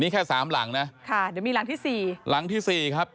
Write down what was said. นี่แค่สามหลังนะค่ะเดี๋ยวมีหลังที่สี่หลังที่สี่ครับ